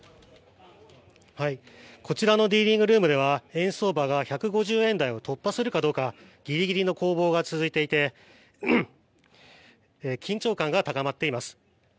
こちらのディーリングルームでは円相場が１５０円台を突破するかどうかギリギリの攻防が続いていて緊張感が高まっています。